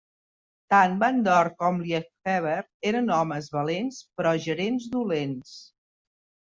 Tant Van Dorp com Liefhebber eren homes valents, però gerents dolents.